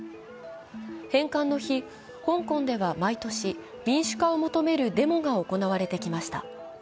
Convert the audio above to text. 返還の日、香港では毎年、民主化を求めるデモが行われてきました。